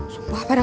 sumpah pada kondisi